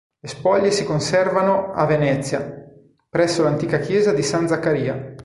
Le spoglie si conservano a Venezia presso l'antica chiesa di San Zaccaria.